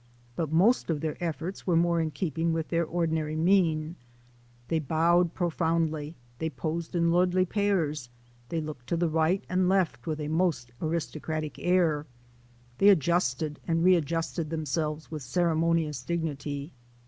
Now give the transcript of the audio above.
But most of their efforts were more in keeping with their ordinary mien; they bowed profoundly, they posed in lordly pairs, they looked to the right and left with a most aristocratic air, they adjusted and readjusted themselves with ceremonious dignity.